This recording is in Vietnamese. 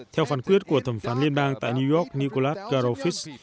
theo phán quyết của thẩm phán liên bang tại new york nichollad garofis